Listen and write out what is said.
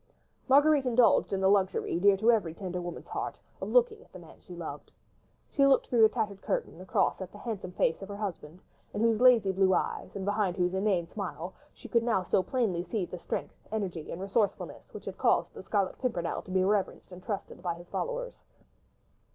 Marguerite indulged in the luxury, dear to every tender woman's heart, of looking at the man she loved. She looked through the tattered curtain, across at the handsome face of her husband, in whose lazy blue eyes, and behind whose inane smile, she could now so plainly see the strength, energy, and resourcefulness which had caused the Scarlet Pimpernel to be reverenced and trusted by his followers.